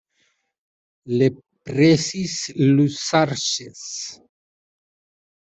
Le Plessis-Luzarches